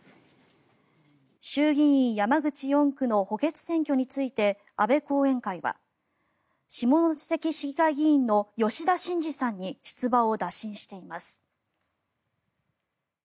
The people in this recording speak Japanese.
衆議院山口４区の補欠選挙について安倍後援会は下関市議会議員の吉田真次さんに出馬を打診しています。